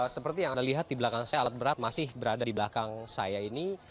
seperti yang anda lihat di belakang saya alat berat masih berada di belakang saya ini